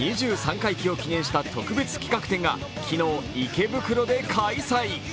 回忌を記念した特別企画展が昨日、池袋で開催。